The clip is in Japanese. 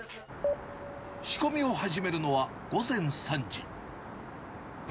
仕込みを始めるのは午前３時。